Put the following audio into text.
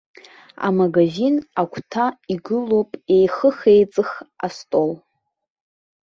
Амагазин агәҭа игылоуп еихых-еиҵых астол.